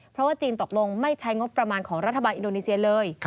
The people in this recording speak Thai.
เพราะว่าจีนตกลงไม่ใช้งบประมาณของรัฐบาลอินโดนีเซียเลย